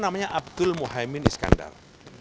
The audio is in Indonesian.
namanya abdul muhaymin iskandar